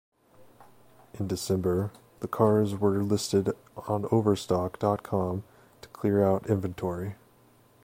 In December, the cars were listed on Overstock dot com to clear out inventory.